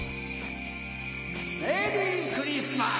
メリークリスマス！